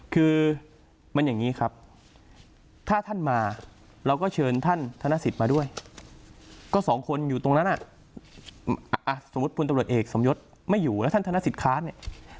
คือมันอย่างนี้ครับถ้าท่านมาเราก็เชิญท่านธนสิทธิ์มาด้วยก็สองคนอยู่ตรงนั้นสมมุติพลตำรวจเอกสมยศไม่อยู่แล้วท่านธนสิทธิค้านเนี่ย